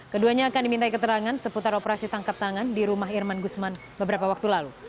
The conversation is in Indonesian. keduanya akan diminta keterangan seputar operasi tangkap tangan di rumah irman gusman beberapa waktu lalu